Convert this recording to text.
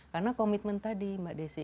karena komitmen tadi mbak desy